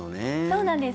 そうなんです。